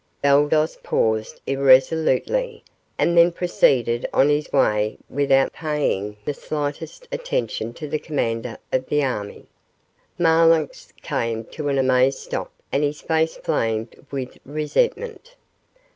Baldos paused irresolutely, and then proceeded on his way without paying the slightest attention to the commander of the army. Marlanx came to an amazed stop and his face flamed with resentment.